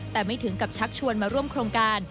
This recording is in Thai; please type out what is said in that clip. แต่ไม่ถึงกับชักชวนมาร่วมโครงการ